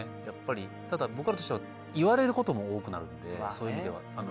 やっぱりただ僕らとしては言われることも多くなるんでそういう意味では。